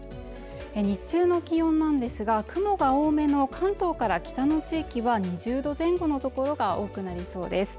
日中の気温なんですが雲が多めの関東から北の地域は２０度前後の所が多くなりそうです